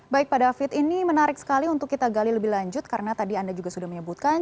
baik pak david ini menarik sekali untuk kita gali lebih lanjut karena tadi anda juga sudah menyebutkan